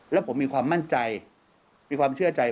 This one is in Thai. แล้วผมมีความมั่นใจมีความเชื่อใจ